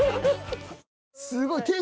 すごい。